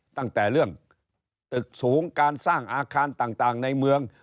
ตั้งแต่เรื่องตึกสูงการสร้างอาคารต่างในเมือง